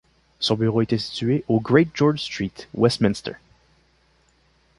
Son bureau était situé au Great George Street, Westminster.